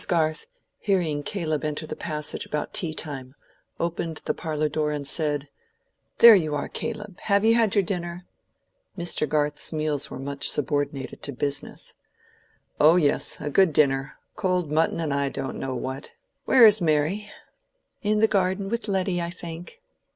Garth, hearing Caleb enter the passage about tea time, opened the parlor door and said, "There you are, Caleb. Have you had your dinner?" (Mr. Garth's meals were much subordinated to "business.") "Oh yes, a good dinner—cold mutton and I don't know what. Where is Mary?" "In the garden with Letty, I think."